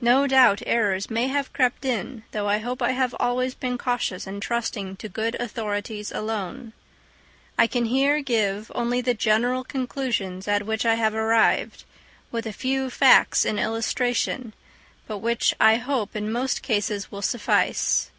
No doubt errors may have crept in, though I hope I have always been cautious in trusting to good authorities alone. I can here give only the general conclusions at which I have arrived, with a few facts in illustration, but which, I hope, in most cases will suffice.